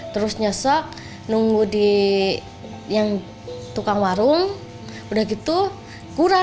terus nyesek nunggu di tukang warung udah gitu